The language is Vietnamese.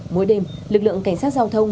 mỗi đêm lực lượng cảnh sát giao thông